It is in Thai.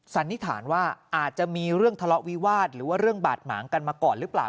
สันนิษฐานว่าอาจจะมีเรื่องทะเลาะวิวาสหรือว่าเรื่องบาดหมางกันมาก่อนหรือเปล่า